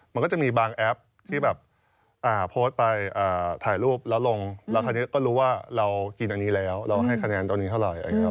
มันก็จะมีบางแอปที่แบบโพสต์ไปถ่ายรูปแล้วลงแล้วคราวนี้ก็รู้ว่าเรากินอันนี้แล้วเราให้คะแนนตรงนี้เท่าไหร่